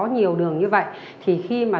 nhiều đường như vậy thì khi mà